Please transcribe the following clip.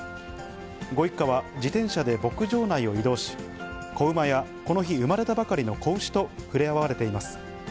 ご一家は、自転車で牧場内を移動し、子馬や、この日産まれたばかりの子牛と触れ合われています。